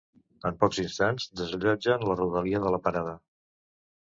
En pocs instants desallotgen la rodalia de la parada.